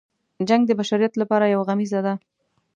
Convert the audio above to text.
جنګ د بشریت لپاره یو غمیزه ده.